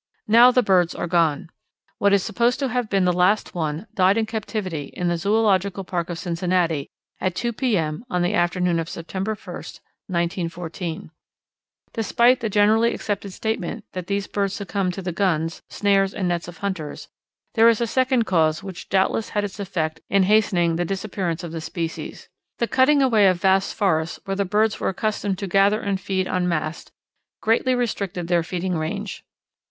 Now the birds are gone. What is supposed to have been the last one died in captivity in the Zoological Park of Cincinnati at 2 P. M. on the afternoon of September 1, 1914. Despite the generally accepted statement that these birds succumbed to the guns, snares, and nets of hunters, there is a second cause which doubtless had its effect in hastening the disappearance of the species. The cutting away of vast forests where the birds were accustomed to gather and feed on mast greatly restricted their feeding range.